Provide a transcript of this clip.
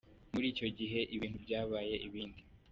Muri icyo gihe, ibintu byabaye ibindi !